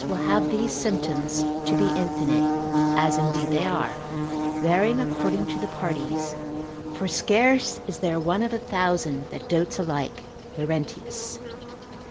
will have these symptoms to be infinite, as indeed they are, varying according to the parties, for scarce is there one of a thousand that dotes alike, Laurentius c. 16.